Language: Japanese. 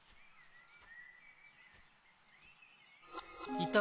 いた。